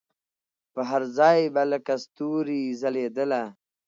پر هر ځای به لکه ستوري ځلېدله